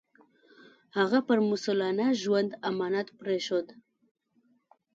هغه پر مسوولانه ژوند امانت پرېښود.